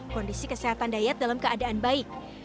kondisi kesehatan dayat dalam keadaan baik